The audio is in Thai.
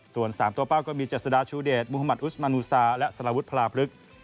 ส่วน๓ตัวเป้าก็มีเจษฎาชูเดชมุธมัติอุสมานูซาและสารวุฒิพลาพลึก